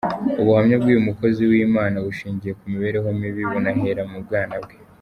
Ubuhamya bw’uyu mukozi w’Imana bushingiye ku mibereho mibi, bunahera mu bwana bwe.